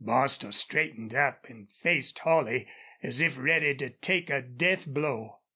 Bostil straightened up and faced Holley as if ready to take a death blow.